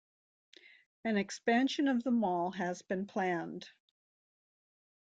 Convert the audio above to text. An expansion of the mall has been planned.